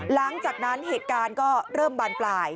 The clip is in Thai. หลังจากนั้นเหตุการณ์ก็เริ่มบานปลาย